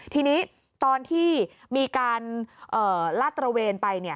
ทีนี้ตอนที่มีการลาดตระเวนไป